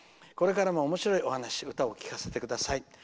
これからもおもしろいお話、歌を聞かせてください」。